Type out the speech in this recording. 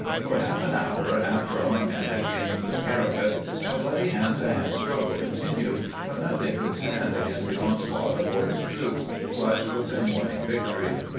For half an hour after our men had gained the parapet a bloody hand to band struggle continued, but nothing could stand against the onslaught of Ord's troops, flushed with their morning's victory.